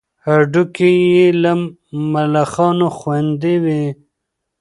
هډوکي یې له ملخانو خوندي وي.